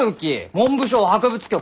文部省博物局！